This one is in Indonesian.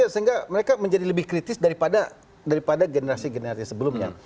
sehingga mereka menjadi lebih kritis daripada generasi generasi sebelumnya